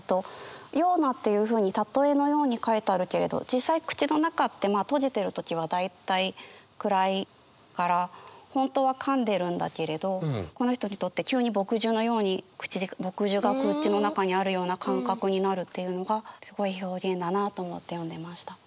「ような」っていうふうに例えのように書いてあるけれど実際口の中ってまあ閉じてる時は大体暗いから本当はかんでるんだけれどこの人にとって急に墨汁のように墨汁が口の中にあるような感覚になるっていうのがすごい表現だなと思って読んでました。